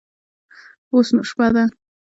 اوس نو شپه ده.